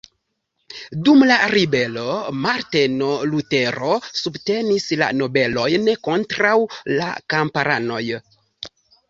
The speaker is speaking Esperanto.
Dum la ribelo Marteno Lutero subtenis la nobelojn kontraŭ la kamparanoj.